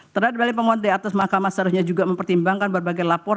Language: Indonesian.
terhadap balik pemohon di atas mahkamah seharusnya juga mempertimbangkan berbagai laporan